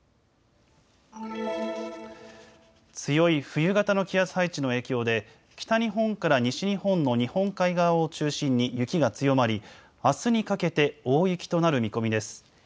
強い冬型の気圧配置の影響で北日本から西日本の日本海側を中心に雪が強まり、あすにかけて大雪となる見込みです。